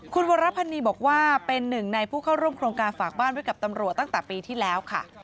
คุณวรพันนีบอกว่าเป็นหนึ่งในผู้เข้าร่วมโครงการฝากบ้านไว้กับตำรวจตั้งแต่ปีที่แล้วค่ะ